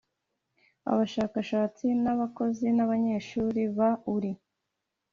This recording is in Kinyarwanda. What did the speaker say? Abashakashatsi abakozi n abanyeshuri ba ur